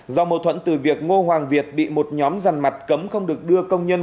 do mâu thuẫn từ việc ngô hoàng việt bị một nhóm giàn mặt cấm không được đưa công nhân